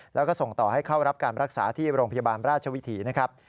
แล้วก็ส่งต่อให้เข้ารับการรักษาที่โรงพยาบาลราชวิถีนะครับ